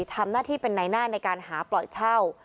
ทำหน้าที่เป็นในหน้าในการหาปล่อยเช่า